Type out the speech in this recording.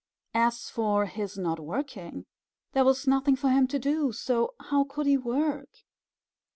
As for his not working there was nothing for him to do, so how could he work?